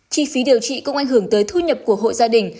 chi phí điều trị cũng ảnh hưởng tới thu nhập của hộ gia đình